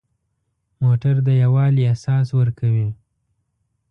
موټر د یووالي احساس ورکوي.